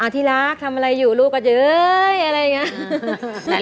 ที่รักทำอะไรอยู่ลูกอ่ะเจ้ยอะไรอย่างนี้